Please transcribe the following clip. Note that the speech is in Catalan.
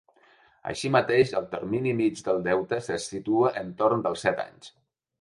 Així mateix, el termini mig del deute se situa en torn dels set anys.